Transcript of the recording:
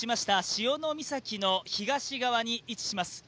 潮岬の東側に位置します。